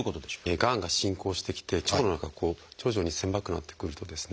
がんが進行してきて腸の中が徐々に狭くなってくるとですね